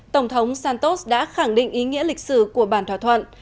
tổng thống santos đã khẳng định ý nghĩa lịch sử của bản thỏa thuận